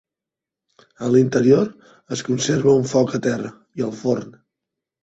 A l'interior es conserva un foc a terra i el forn.